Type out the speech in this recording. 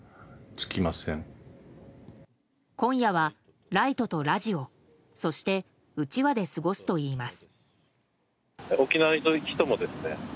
今夜はライトとラジオそして、うちわで過ごすといいます。